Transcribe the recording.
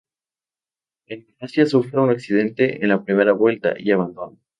En Malasia sufre un accidente en la primera vuelta y abandona.